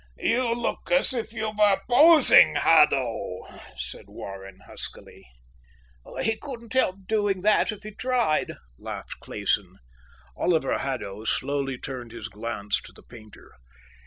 "You look as if you were posing, Haddo," said Warren huskily. "He couldn't help doing that if he tried," laughed Clayson. Oliver Haddo slowly turned his glance to the painter.